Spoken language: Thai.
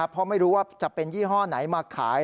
เพราะไม่รู้ว่าจะเป็นยี่ห้อไหนมาขาย